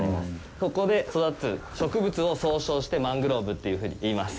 ここで育つ植物を総称してマングローブっていうふうに言います。